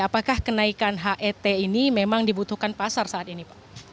apakah kenaikan het ini memang dibutuhkan pasar saat ini pak